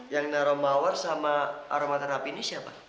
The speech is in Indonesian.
yang nara mawar sama aroma terhapinnya siapa